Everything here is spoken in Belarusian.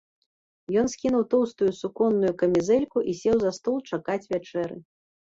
Ён скінуў тоўстую суконную камізэльку і сеў за стол чакаць вячэры.